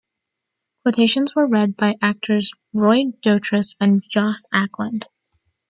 Quotations were read by actors Roy Dotrice and Joss Ackland.